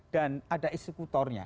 dan ada eksekutornya